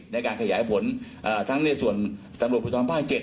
ในการขยายผลทั้งในส่วนตำรวจภูทรภาค๗